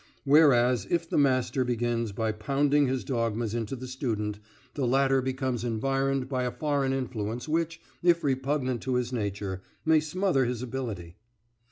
Whereas, if the master begins by pounding his dogmas into the student, the latter becomes environed by a foreign influence which, if repugnant to his nature, may smother his ability.